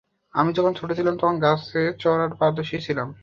আমি যখন ছোট ছিলাম, তখন গাছে চড়ায় পারদর্শী ছিলাম।